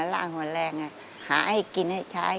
ลังหาให้กินให้ใช้